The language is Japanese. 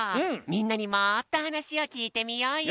みんなにもっとはなしをきいてみようよ。